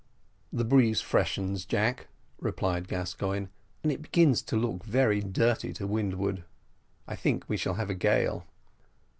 "The breeze freshens, Jack," replied Gascoigne; "and it begins to look very dirty to windward. I think we shall have a gale."